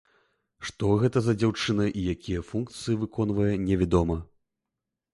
Што гэта за дзяўчына і якія функцыі выконвае невядома.